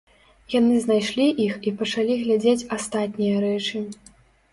Яны знайшлі іх і пачалі глядзець астатнія рэчы.